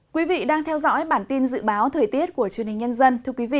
quý vị đang theo dõi bản tin dự báo thời tiết của truyền hình nhân dân